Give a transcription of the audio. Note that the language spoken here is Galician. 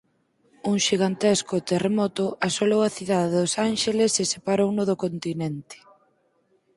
Un xigantesco terremoto asolou a cidade dos Ánxeles e separouno do continente.